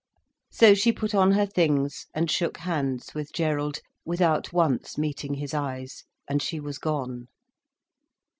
So she put on her things, and shook hands with Gerald, without once meeting his eyes. And she was gone.